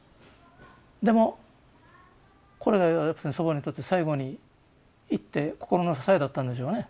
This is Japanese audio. でもこれが祖母にとって最後に言って心の支えだったんでしょうね。